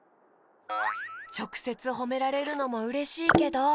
ちょくせつほめられるのもうれしいけど。